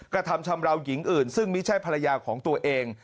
กระทำชำราวหญิงอื่นซึ่งไม่ใช่ภรรยาของตัวเอง